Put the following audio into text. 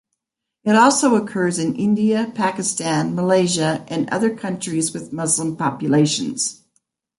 It also occurs in India, Pakistan, Malaysia and other countries with Muslim populations.